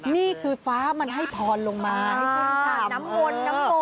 นี่คือฟ้ามันให้ทอนลงมาให้ท่านชาม